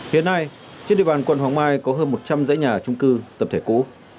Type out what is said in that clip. hiện nay trên địa bàn quận hoàng mai có hơn một trăm linh dãy nhà trung cư tập thể cũ